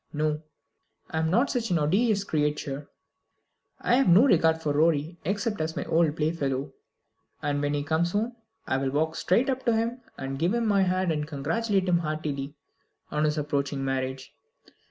No; I am not such an odious creature. I have no regard for Rorie except as my old playfellow, and when he comes home I will walk straight up to him and give him my hand, and congratulate him heartily on his approaching marriage.